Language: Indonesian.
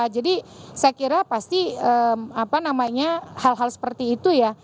jadi saya kira pasti apa namanya hal hal seperti itu ya